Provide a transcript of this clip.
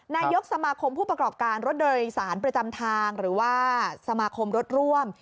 นายกสมาคมผู้ประกอบการรถโดยสารประจำทางหรือว่าสมาคมรถร่วม